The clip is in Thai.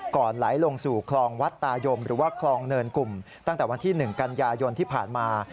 ไหลลงสู่คลองวัดตายมหรือว่าคลองเนินกลุ่มตั้งแต่วันที่๑กันยายนที่ผ่านมา